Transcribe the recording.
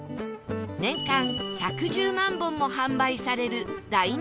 年間１１０万本も販売される大人気商品です